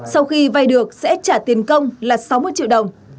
sau khi vay được sẽ trả tiền công là sáu mươi triệu đồng